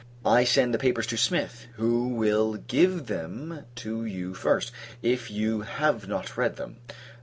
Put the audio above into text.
I send the papers to Smith; who will give them to you first, if you have not read them.